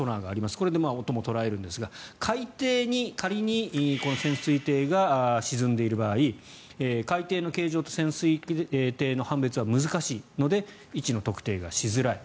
これで音も捉えるんですが仮に海底に潜水艇が沈んでいる場合海底の形状と潜水艇の判別は難しいので位置の特定がしづらい。